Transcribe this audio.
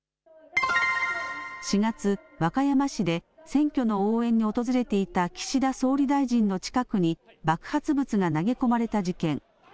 ４月、和歌山市で選挙の応援に訪れていた岸田総理大臣の近くに爆発物が投げ込まれた事件。